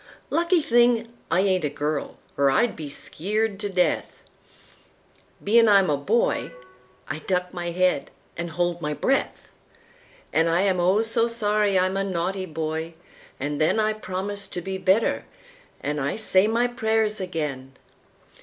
Lucky thing I ain't a girl or I'd be skeered to death! Bein' I'm a boy, I duck my head an' hold my breath. An' I am, oh so sorry I'm a naughty boy, an' thenI promise to be better an' I say my prayers again!